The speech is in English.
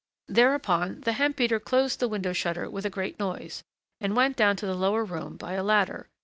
Thereupon, the hemp beater closed the window shutter with a great noise, and went down to the lower room by a ladder.